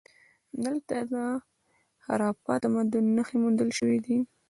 دلته د هراپا تمدن نښې موندل شوي دي